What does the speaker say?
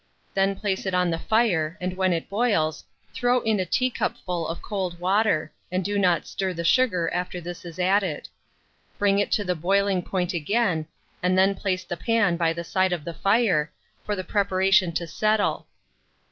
Then place it on the fire, and when it boils, throw in a teacupful of cold water, and do not stir the sugar after this is added. Bring it to the boiling point again, and then place the pan by the side of the fire, for the preparation to settle.